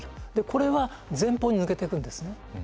これは前方に抜けていくんですね。